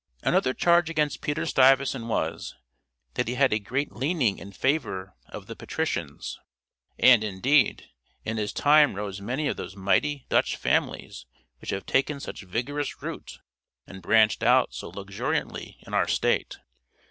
Another charge against Peter Stuyvesant was, that he had a great leaning in favor of the patricians; and, indeed, in his time rose many of those mighty Dutch families which have taken such vigorous root, and branched out so luxuriantly in our state.